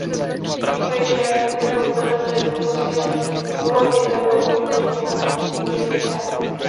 Děkuji všem, kdo podpořili posílení úlohy Europolu, včetně pana Pirkera.